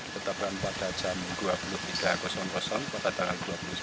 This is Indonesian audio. tetapkan pada jam dua puluh tiga pada tanggal dua puluh sembilan